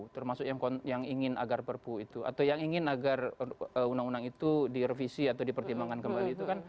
termasuk yang ingin agar perpu itu atau yang ingin agar undang undang itu direvisi atau dipertimbangkan kembali itu kan